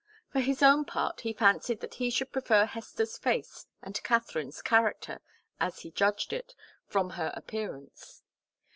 For his own part, he fancied that he should prefer Hester's face and Katharine's character, as he judged it from her appearance.